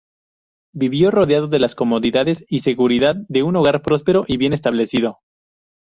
Vivió rodeado de las comodidades y seguridad de un hogar próspero y bien establecido.